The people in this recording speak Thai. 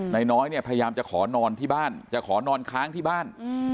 นายน้อยเนี่ยพยายามจะขอนอนที่บ้านจะขอนอนค้างที่บ้าน